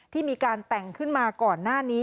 ที่มีการแต่งขึ้นมาก่อนหน้านี้